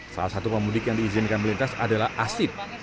salah satu pemudik yang diizinkan melintas adalah asib